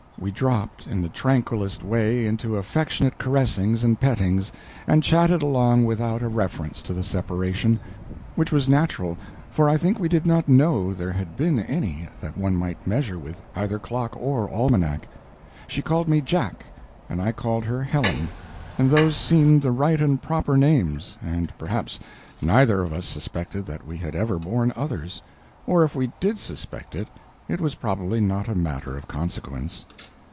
We dropped in the tranquilest way into affectionate caressings and pettings, and chatted along without a reference to the separation; which was natural, for I think we did not know there had been any that one might measure with either clock or almanac. She called me Jack and I called her Helen, and those seemed the right and proper names, and perhaps neither of us suspected that we had ever borne others; or, if we did suspect it, it was probably not a matter of consequence.